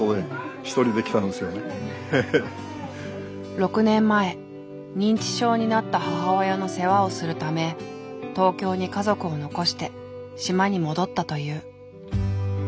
６年前認知症になった母親の世話をするため東京に家族を残して島に戻ったという。